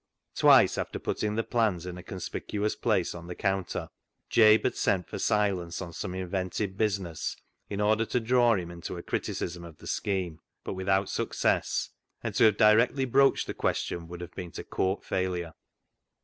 Twice, after putting the plans in a conspicuous place on the counter, Jabe had sent for Silas on some invented business in order to draw him into a criticism of the scheme, but without success, and to have directly broached the question would have been to court failure.